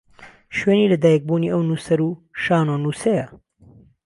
شوێنی لە دایکبوونی ئەو نووسەر و شانۆنووسەیە